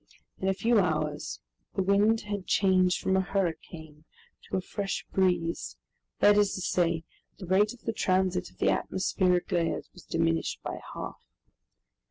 In a few hours the wind had changed from a hurricane to a fresh breeze, that is to say, the rate of the transit of the atmospheric layers was diminished by half.